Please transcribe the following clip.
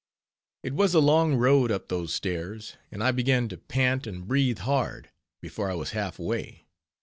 It was a long road up those stairs, and I began to pant and breathe hard, before I was half way.